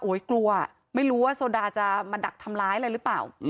กลัวไม่รู้ว่าโซดาจะมาดักทำร้ายอะไรหรือเปล่า